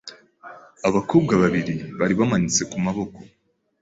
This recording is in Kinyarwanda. Abakobwa babiri bari bamanitse ku maboko